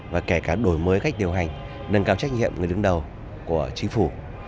và kể cả đổi mới cách điều hành nâng cao trách nhiệm người đứng đầu của chính phủ